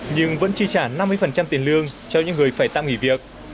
nhưng vẫn chi trả năm mươi tiền lương cho những người phải tạm nghỉ việc